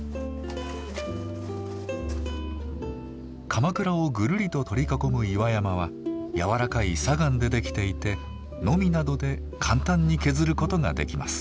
鎌倉をぐるりと取り囲む岩山は柔らかい砂岩でできていてノミなどで簡単に削ることができます。